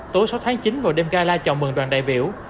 tối sáu tháng chín vào đêm gala chào mừng đoàn đại biểu